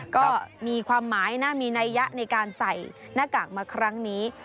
ก็มีความหมายนะมีนัยยะในการใส่หน้ากากมาครั้งนี้